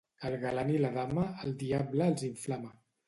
El galant i la dama, el diable els inflama.